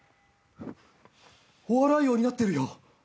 お笑い王になってるよ。